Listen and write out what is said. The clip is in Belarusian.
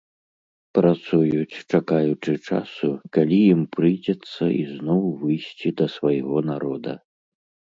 Працуюць, чакаючы часу, калі ім прыйдзецца ізноў выйсці да свайго народа.